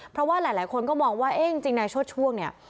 เพราะว่าหลายคนก็มองว่าเอ๊ะจริงนายโชชช่วงเนี่ย